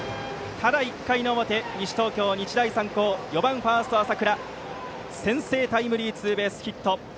ただ１回の表、西東京・日大三高４番ファースト、浅倉の先制タイムリーツーベースヒット。